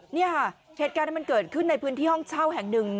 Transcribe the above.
เนี่ยค่ะเหตุการณ์มันเกิดขึ้นในพื้นที่ห้องเช่าแห่งหนึ่ง